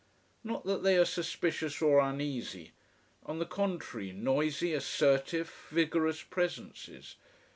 Not that they are suspicious or uneasy. On the contrary, noisy, assertive, vigorous presences.